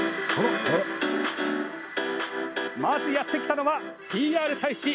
まずやって来たのはＰＲ大使